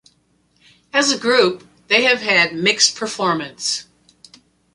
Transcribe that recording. As a group, they have had mixed performance.